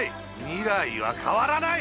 未来は変わらない！